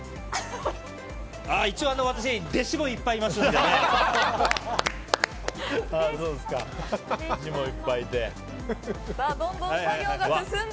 一応私弟子もいっぱいいますんで。